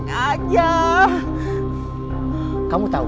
kamu tahu kamu tahu